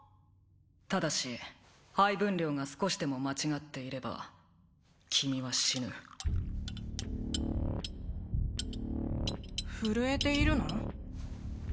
ただし配分量が少しでも間違っていれば君は死ぬ震えているの？